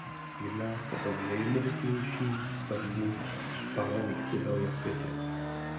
Jedná se o nejmohutnější stavbu z pálených cihel na světě.